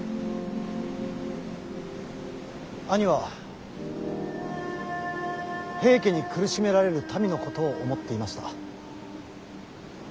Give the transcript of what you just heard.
兄は平家に苦しめられる民のことを思っていました。